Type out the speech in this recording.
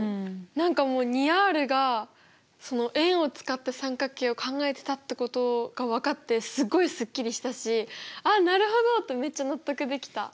何かもう２Ｒが円を使った三角形を考えてたってことが分かってすごいすっきりしたし「あっなるほど！」ってめっちゃ納得できた。